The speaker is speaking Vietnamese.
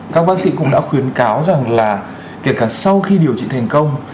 các bác sĩ cũng đã khuyến cáo rằng là kể cả sau khi điều trị thành công